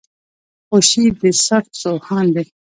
خوشي د سرت سو هان دی.